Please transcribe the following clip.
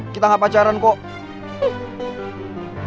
kita gak pacaran kok